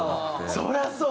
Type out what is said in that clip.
そりゃそう！